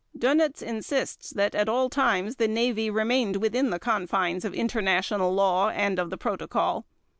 Dönitz insists that at all times the Navy remained within the confines of international law and of the Protocol.